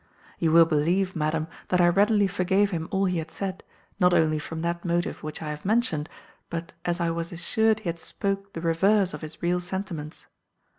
"You will believe, madam, that I readily forgave him all he had said, not only from that motive which I have mentioned, but as I was assured he had spoke the reverse of his real sentiments.